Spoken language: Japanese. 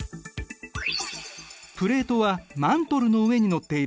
プレートはマントルの上にのっている。